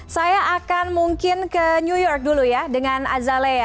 saya akan mungkin ke new york dulu ya dengan azalea